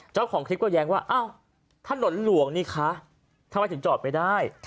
เจ้าของคลิปก็แย้งว่าอ้าวถนนหลวงนี่คะทำไมถึงจอดไม่ได้